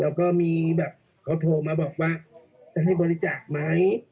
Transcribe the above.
แล้วก็มีแบบเขาโทรมาบอกว่าจะให้บริจาคไหม